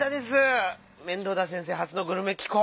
面倒田先生はつのグルメ紀行！